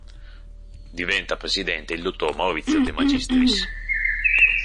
Diventa presidente il Dottor Maurizio De Magistris.